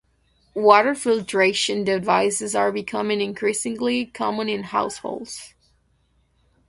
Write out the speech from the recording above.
Water filtration devices are becoming increasingly common in households.